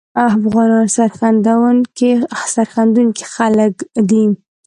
افغانان سرښندونکي خلګ دي